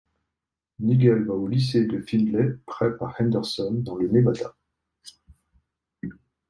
Nigel va au lycée de Findlay Prep à Henderson dans le Nevada.